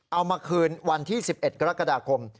เอามาคืนวันที่๑๑กรกฎาคม